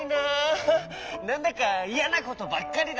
なんだかいやなことばっかりだ！